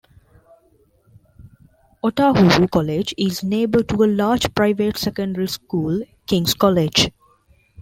Otahuhu College is neighbour to a large private secondary school King's College.